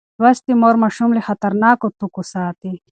لوستې مور ماشوم له خطرناکو توکو ساتي.